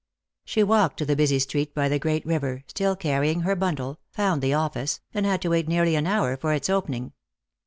She walked to the busy street by the great river, still carry ing her bundle, found the office, and had to wait nearly an hour for its opening.